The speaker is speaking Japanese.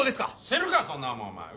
知るかそんなもんお前！